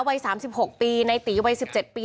วัย๓๖ปีในตีวัย๑๗ปี